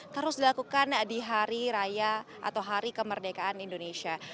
terus dilakukan di hari raya atau hari kemerdekaan indonesia